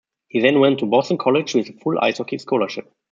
He then went to Boston College with a full ice hockey scholarship.